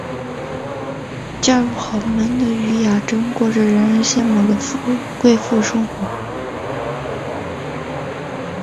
嫁入豪门的禹雅珍过着人人称羡的贵妇生活。